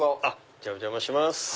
じゃあお邪魔します。